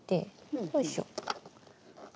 よいしょ。